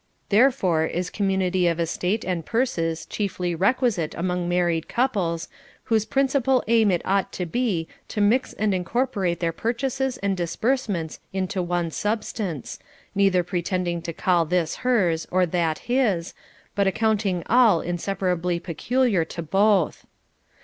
Therefore is community of estate and purses chiefly requisite among married couples, whose principal aim it ought to be to mix and incorporate their purchases and disbursements into one substance, neither pretending to call this hers or that his, but accounting all inseparably peculiar to both.